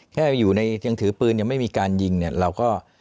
แค่อยู่ในยังถือปืนยังไม่มีการยิงเนี่ยเราก็